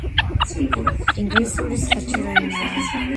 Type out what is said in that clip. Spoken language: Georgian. ინგლისური საჭირო ენაა.